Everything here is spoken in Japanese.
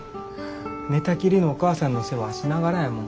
寝たきりのお母さんの世話しながらやもん。